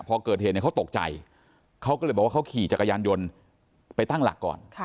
พอเกิดเหตุเนี่ยเขาตกใจเขาก็เลยบอกว่าเขาขี่จักรยานยนต์ไปตั้งหลักก่อน